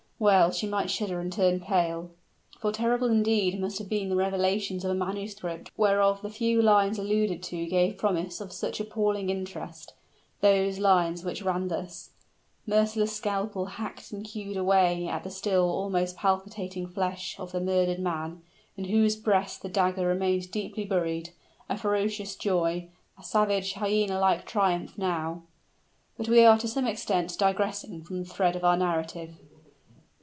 well might she shudder and turn pale. For terrible indeed must have been the revelations of a manuscript whereof the few lines above alluded to gave promise of such appalling interest, those lines which ran thus: "Merciless scalpel hacked and hewed away at the still almost palpitating flesh of the murdered man, in whose breast the dagger remained deeply buried, a ferocious joy a savage, hyena like triumph now " But we are to some extent digressing from the thread of our narrative.